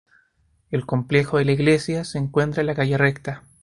El complejo de la iglesia se encuentra en la Calle Recta.